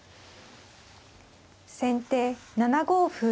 先手７五歩。